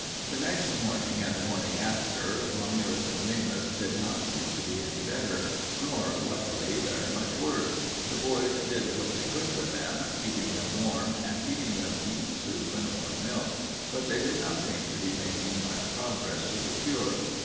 The next morning and the morning after Romulus and Remus did not seem to be any better, nor, luckily, very much worse. The boys did what they could for them, keeping them warm and feeding them beef soup and warm milk, but they did not seem to be making much progress with the cure.